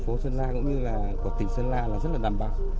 phố sơn la cũng như là của tỉnh sơn la là rất là đảm bảo